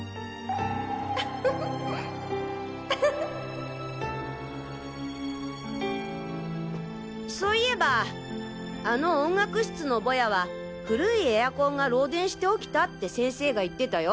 ウフフウフフそういえばあの音楽室のボヤは古いエアコンが漏電して起きたって先生が言ってたよ。